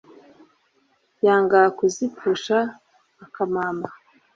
Yanga kuzipfusha akamama